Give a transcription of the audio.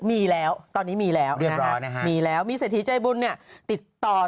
มีแล้วตอนนี้มีแล้วนะฮะมีแล้วมีเศรษฐีใจบุญเนี่ยติดต่อ